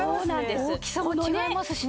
大きさも違いますしね。